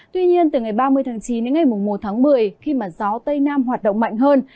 tuy nhiên từ ngày ba mươi chín đến ngày một một mươi khi gió tây nam hoạt động mạnh hơn